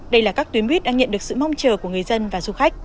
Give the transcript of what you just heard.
đây là các tuyến buýt đang nhận được sự mong chờ của người dân và du khách